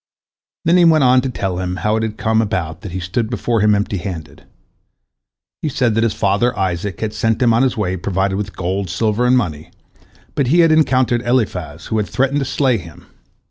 " Then he went on to tell him how it had come about that he stood before him empty handed. He said that his father Isaac had sent him on his way provided with gold, silver, and money, but he had encountered Eliphaz, who had threatened to slay him.